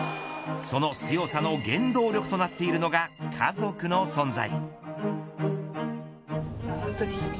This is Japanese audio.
その強さの原動力となっているのが家族の存在。